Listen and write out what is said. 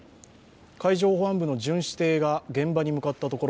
海上保安部の巡視艇が現場に向かったところ